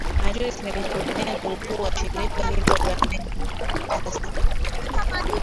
n joyce ni mkurugenzi mkuu wa shirika hilo la ndege la kantas